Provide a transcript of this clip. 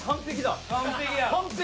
完璧。